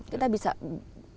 kita bisa tadi apa